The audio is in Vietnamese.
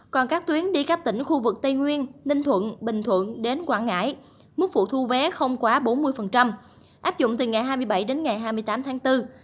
còn các tuyến đi các tỉnh khu vực tây nguyên ninh thuận bình thuận đến quảng ngãi mức phụ thu vé không quá bốn mươi áp dụng từ ngày hai mươi bảy đến ngày hai mươi tám tháng bốn